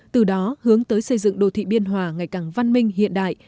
từ đó hướng tới xây dựng đô thị biên hòa ngày càng văn minh hiện đại